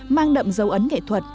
mang đậm dấu ấn nghệ thuật